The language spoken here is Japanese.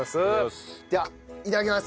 ではいただきます！